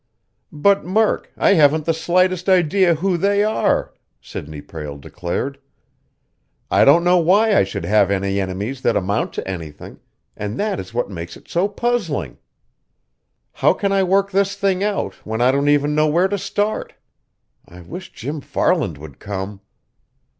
"But, Murk, I haven't the slightest idea who they are," Sidney Prale declared. "I don't know why I should have enemies that amount to anything, and that is what makes it so puzzling. How can I work this thing out when I don't even know where to start? I wish Jim Farland would come."